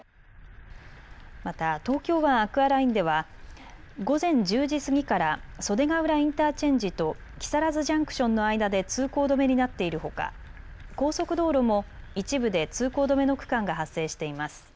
また東京湾アクアラインでは午前１０時過ぎから袖ヶ浦インターチェンジと木更津ジャンクションの間で通行止めになっているほか高速道路も一部で通行止めの区間が発生しています。